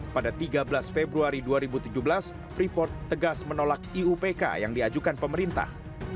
pada tiga belas februari dua ribu tujuh belas freeport tegas menolak iupk yang diajukan pemerintah